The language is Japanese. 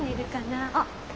あっ。